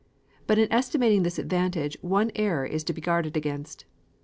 But in estimating this advantage, one error is to be guarded against.